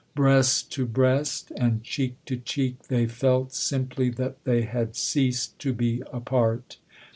Breast to breast and cheek to cheek, they felt simply that they had ceased to be apart.